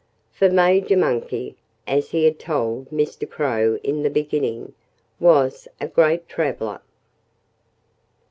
For Major Monkey as he had told Mr. Crow in the beginning was a great traveller.